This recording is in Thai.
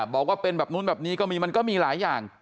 บอกว่าเป็นแบบนู้นแบบนี้ก็มีมันก็มีหลายอย่าง